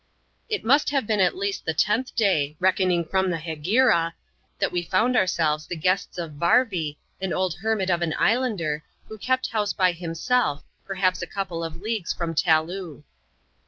It must have been at least the tenth dsj, reckoning from the Hegira, that we found ourselves the guests o£ Yarvj, an old hermit of an islander, who kept house bj himself, perhaps a couple of leagues from Taloo.